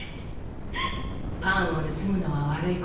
パンを盗むのは悪いことだ。